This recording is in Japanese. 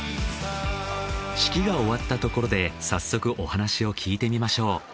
式が終わったところで早速お話を聞いてみましょう。